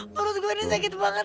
menurut gue ini sakit banget